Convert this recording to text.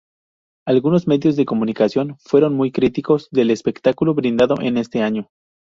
Algunos medios de comunicación fueron muy críticos del espectáculo brindado en este año.